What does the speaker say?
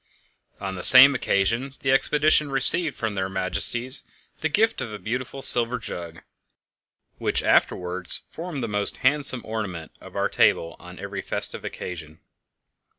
On the same occasion the expedition received from their Majesties the gift of a beautiful silver jug, which afterwards formed the most handsome ornament of our table on every festive occasion.